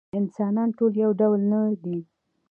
انسانان ټول یو ډول نه دي.